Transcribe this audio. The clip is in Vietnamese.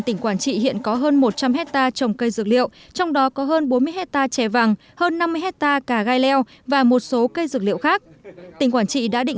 tỉnh quảng trị đã triển khai chuyển đổi trồng cây dược liệu trên vùng đất vốn trước đây rất khó khăn về canh tác